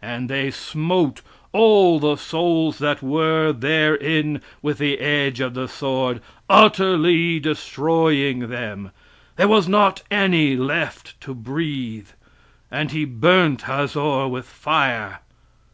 "And they smote all the souls that were therein with the edge of the sword, utterly destroying them; there was not any left to breathe; and he burnt Hazor with fire."